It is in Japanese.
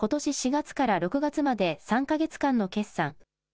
４月から６月まで３か月間の決算。